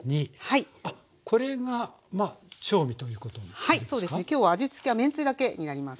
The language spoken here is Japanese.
はいそうですね。今日は味つけはめんつゆだけになります。